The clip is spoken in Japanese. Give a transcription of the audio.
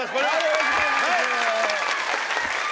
よろしくお願いします。